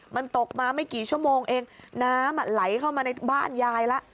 มันตกมาไม่กี่ชั่วโมงเองน้ำไหลเข้ามาในบ้านยายแล้ว